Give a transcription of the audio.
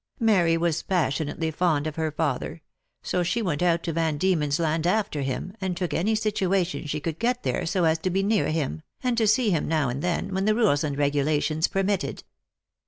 Mary was passionately fond of her father ; so she went out to Van Diemen's Land after him, and took any situa tion she could get there, so as to be near him, and to see him now and then, when the rules and regulations permitted."